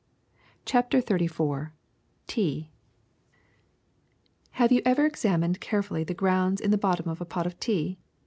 CHAPTER XXXIV TEA a H AVE you ever examined carefully the grounds in the bottom of a pot of tea